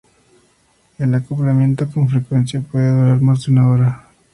El acoplamiento con frecuencia puede durar más de una hora.